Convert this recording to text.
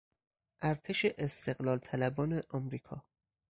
ارتش استقلال طلبان امریکا